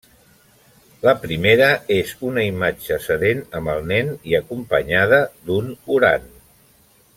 La primera és una imatge sedent amb el nen i acompanyada d'un orant.